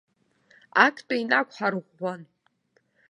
Актәи инақәҳарӷәӷәан.